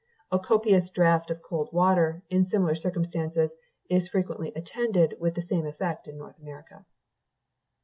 A copious draught of cold water, in similar circumstances, is frequently attended with the same effect in North America.